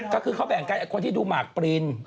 ก็คือเขาแบ่งกันไอ้คนที่ดูหมากปริน